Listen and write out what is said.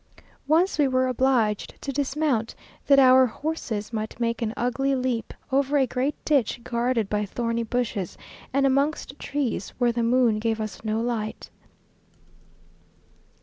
Once we were obliged to dismount, that our horses might make an ugly leap over a great ditch guarded by thorny bushes, and amongst trees where the moon gave us no light.